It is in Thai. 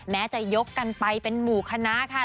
แม้จะยกกันไปเป็นหมู่คณะค่ะ